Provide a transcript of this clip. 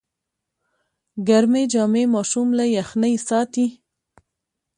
ګرمې جامې ماشوم له یخنۍ ساتي۔